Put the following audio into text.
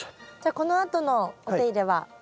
じゃあこのあとのお手入れは？